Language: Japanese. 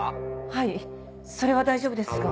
はいそれは大丈夫ですが。